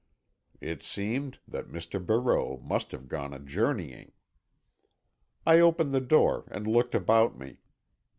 It seemed that Mr. Barreau must have gone a journeying. I opened the door and looked about me.